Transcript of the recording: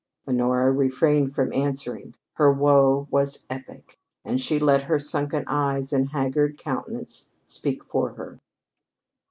Honora refrained from answering. Her woe was epic, and she let her sunken eyes and haggard countenance speak for her.